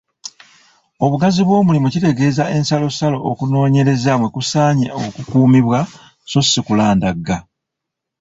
Obugazi bw’omulimu kitegeeza ensalosalo okunoonyereza mwe kusaanye okukuumibwa so si kulandagga.